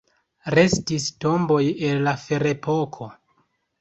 Restis tomboj el la ferepoko.